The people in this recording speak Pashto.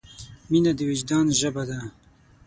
مینه د وجدان ژبه ده.